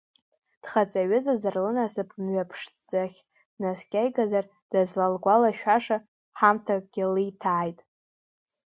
Дхаҵаҩызазар, лынасыԥ мҩа ԥшӡахь днаскьаигазар дызлалгәалашәаша ҳамҭакгьы лиҭааит.